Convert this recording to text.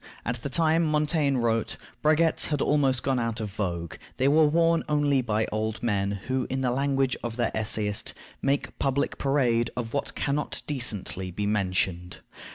At the time Montaigne wrote, braguettes had almost gone out of vogue: they were worn only by old men, who, in the language of the essayist, "make public parade of what can not decently be mentioned."